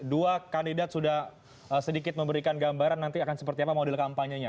dua kandidat sudah sedikit memberikan gambaran nanti akan seperti apa model kampanyenya